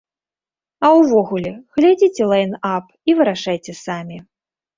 А ўвогуле, глядзіце лайн-ап і вырашайце самі.